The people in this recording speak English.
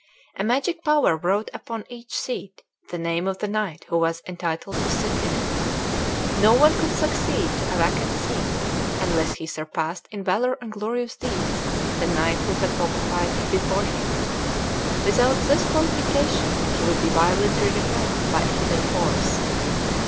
A magic power wrote upon each seat the name of the knight who was entitled to sit in it. No one could succeed to a vacant seat unless he surpassed in valor and glorious deeds the knight who had occupied it before him; without this qualification he would be violently repelled by a hidden force.